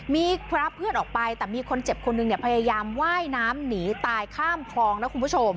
มีพระเพื่อนออกไปแต่มีคนเจ็บคนหนึ่งเนี่ยพยายามไหว้น้ำหนีตายข้ามคลองนะคุณผู้ชม